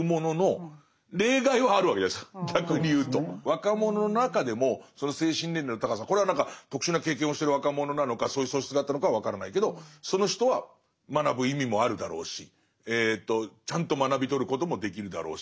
若者の中でも精神年齢の高さこれは特殊な経験をしてる若者なのかそういう素質があったのかは分からないけどその人は学ぶ意味もあるだろうしちゃんと学び取ることもできるだろうし。